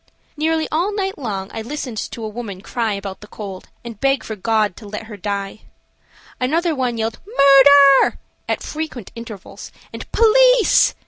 Nearly all night long I listened to a woman cry about the cold and beg for God to let her die. Another one yelled "Murder!" at frequent intervals and "Police!"